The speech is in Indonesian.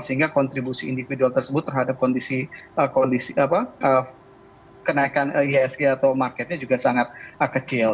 sehingga kontribusi individual tersebut terhadap kenaikan ihsg atau marketnya juga sangat kecil